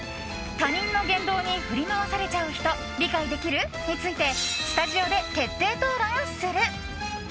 他人の言動に振り回されちゃう人理解できる？についてスタジオで徹底討論する。